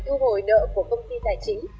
thu hồi nợ của công ty tài chính